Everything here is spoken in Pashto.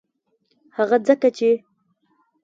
هغه ځکه چې